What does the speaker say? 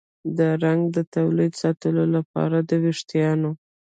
د رنګ د تولید ساتلو لپاره د ویښتانو